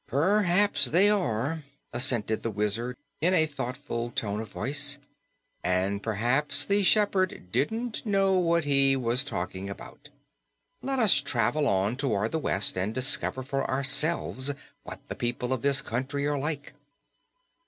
"Perhaps they are," assented the Wizard in a thoughtful tone of voice. "And perhaps the shepherd didn't know what he was talking about. Let us travel on toward the west and discover for ourselves what the people of this country are like."